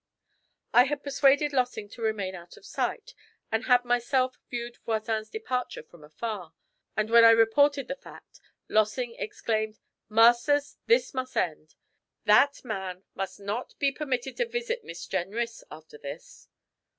I had persuaded Lossing to remain out of sight, and had myself viewed Voisin's departure from afar, and when I reported the fact Lossing exclaimed, 'Masters, this must end! That man must not be permitted to visit Miss Jenrys after this!'